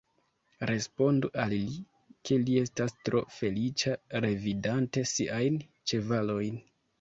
Respondu al li, ke li estas tro feliĉa, revidante siajn ĉevalojn.